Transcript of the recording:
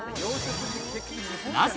なぜ？